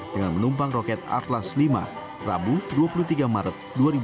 dengan menumpang roket atlas v rabu dua puluh tiga maret dua ribu enam belas